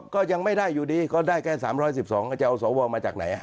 ก็ยังไม่ได้อยู่ดีก็ได้แค่๓๑๒ก็จะเอาสวมาจากไหน